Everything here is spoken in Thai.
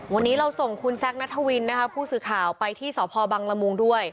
วันนี้เราส่งคุณแซคนัทวินนะคะผู้สื่อข่าวไปที่สพบังละมุงด้วย